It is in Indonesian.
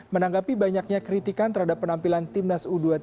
menanggapi banyaknya kritikan terhadap penampilan timnas u dua puluh tiga